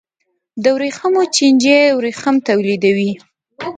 د ورېښمو چینجی ورېښم تولیدوي